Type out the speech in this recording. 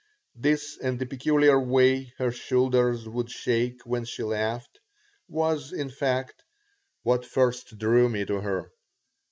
This and the peculiar way her shoulders would shake when she laughed was, in fact, what first drew me to her.